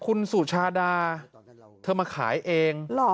คุณสุชาดาเธอมาขายเอง